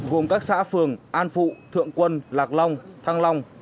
gồm các xã phường an phụ thượng quân lạc long thăng long